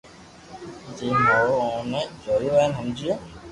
جيم ھوئو اوني جويو ھين ھمجيو